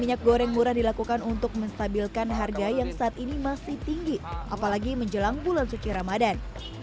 minyak goreng murah dilakukan untuk menstabilkan harga yang saat ini masih tinggi apalagi menjelang bulan suci ramadan